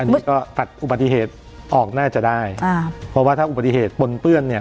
อันนี้ก็ตัดอุบัติเหตุออกน่าจะได้อ่าเพราะว่าถ้าอุบัติเหตุปนเปื้อนเนี่ย